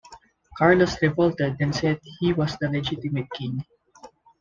Carlos revolted and said he was the legitimate king.